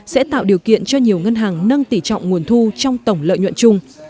sẽ tạo điều kiện cho nhiều ngân hàng nâng tỉ trọng nguồn thu trong tổng lợi nhuận chung